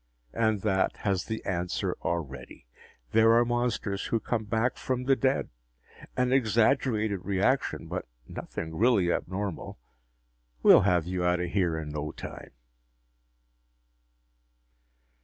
And that has the answer already. There are monsters who come back from the dead! An exaggerated reaction, but nothing really abnormal. We'll have you out of here in no time."